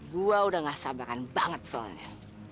gue udah gak sabaran banget soalnya